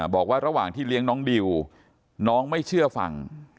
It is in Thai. บอกว่าระหว่างที่เลี้ยงน้องดิวน้องไม่เชื่อฟัง